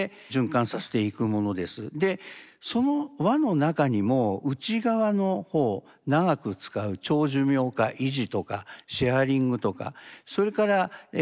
でその輪の中にも内側の方長く使う長寿命化維持とかシェアリングとかそれからだんだん再利用再配分